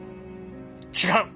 違う！